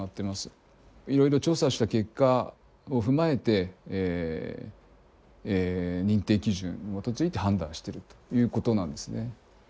いろいろ調査した結果を踏まえて認定基準に基づいて判断してるということなんですね。